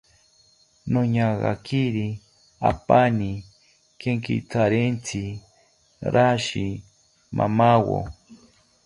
Noñagakiri apaani kenkitharentzi rashi mamawo